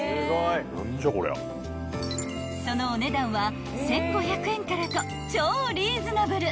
［そのお値段は１，５００円からと超リーズナブル］